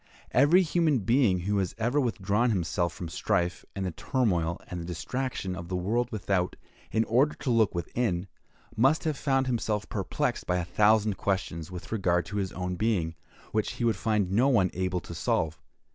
Every human being who has ever withdrawn himself from the strife, and the turmoil, and the distraction, of the world without, in order to look within, must have found himself perplexed by a thousand questions with regard to his own being, which he would find no one able to solve.